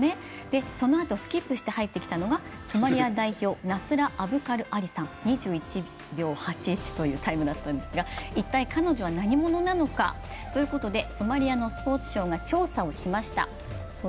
そのあとスキップして入ってきたのがソマリア代表ナスラ・アブカル・アリさん、２１秒８１というタイムだったんですが一体彼女は何者なのかということで、ソマリアのスポーツ省が調査しました。